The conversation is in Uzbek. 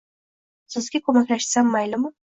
Sizga ko’maklashsam maylimi?